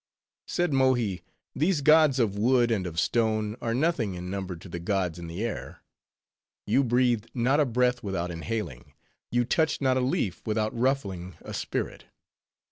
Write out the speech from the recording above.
Said Mohi, "These gods of wood and of stone are nothing in number to the gods in the air. You breathe not a breath without inhaling, you touch not a leaf without ruffling a spirit.